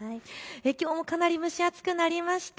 きょうもかなり蒸し暑くなりました。